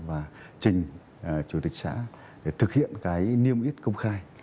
và trình chủ tịch xã để thực hiện cái niêm yết công khai